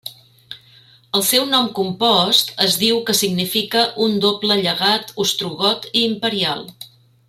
El seu nom compost es diu que significa un doble llegat ostrogot i imperial.